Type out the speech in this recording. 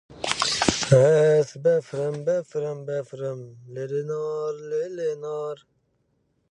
It has many applications in mathematics, physics, engineering, and computer programming.